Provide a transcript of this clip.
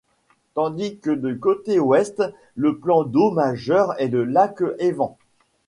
Tandis que du côté Ouest, le plan d’eau majeur est le lac Evans.